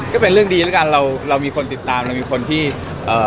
ก็เป็นเรื่องดีแล้วกันเราเรามีคนติดตามเรามีคนที่เอ่อ